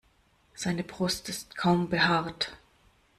Seine Brust ist kaum behaart.